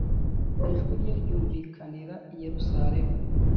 ijwi rye ryumvikanira i Yeruzalemu;